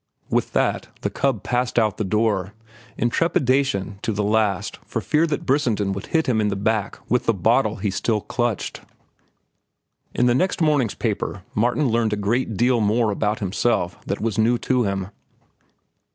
With that the cub passed out the door in trepidation to the last for fear that Brissenden would hit him in the back with the bottle he still clutched. In the next morning's paper Martin learned a great deal more about himself that was new to him.